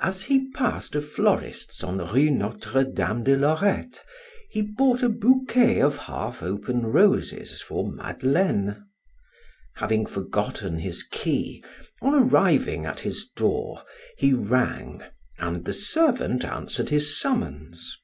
As he passed a florist's on Rue Notre Dame de Lorette he bought a bouquet of half open roses for Madeleine. Having forgotten his key, on arriving at his door, he rang and the servant answered his summons.